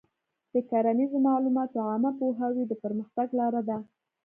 د کرنیزو معلوماتو عامه پوهاوی د پرمختګ لاره ده.